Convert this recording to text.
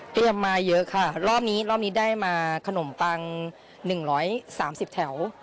เรียบมาเยอะค่ะรอบนี้ได้มาขนมปัง๑๓๐แถว